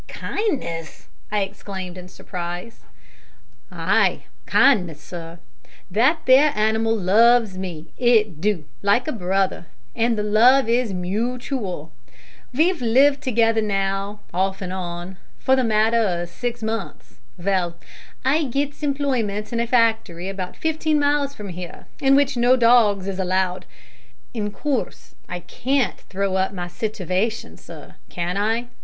"Kindness!" I exclaimed, in surprise. "Ay, kindness, sir. That there hanimal loves me, it do, like a brother, an the love is mootooal. Ve've lived together now off an' on for the matter o' six months. Vell, I gits employment in a factory about fifteen miles from here, in which no dogs is allowed. In coorse, I can't throw up my sitivation, sir, can I?